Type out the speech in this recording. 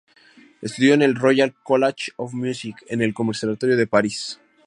Estudió en el "Royal College of Music" y en el Conservatorio de París.